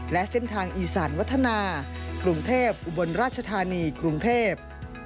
และเส้นทางอีสานวัฒนากรุงเทพอุบลราชธานีกรุงเทพ